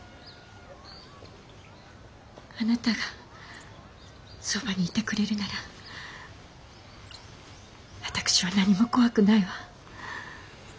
あなたがそばにいてくれるなら私は何も怖くないわ。